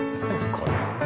これ。